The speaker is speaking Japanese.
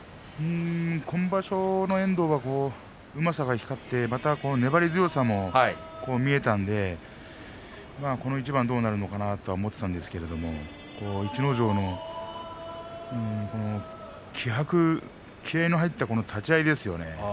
今場所の遠藤はうまさが光って、また粘り強さも見えたんでこの一番どうなるのかなと思ったんですが逸ノ城の気合いの入った立ち合いですよね。